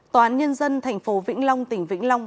tòa án nhân dân tp vĩnh long tỉnh vĩnh long